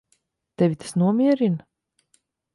Tevi tas nomierina?